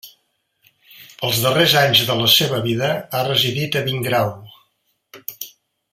Els darrers anys de la seva vida ha residit a Vingrau.